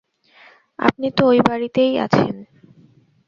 আপনি তো ঐ বাড়িতেই আছেন।